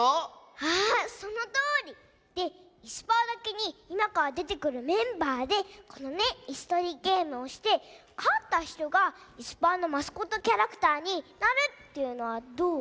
あそのとおり！でいすパーだけにいまからでてくるメンバーでこのねいすとりゲームをしてかったひとがいすパーのマスコットキャラクターになるというのはどう？